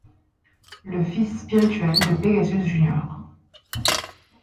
Le fils spirituel de Pegasus Jr.